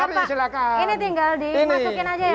ini tinggal dimasukkan aja ya pak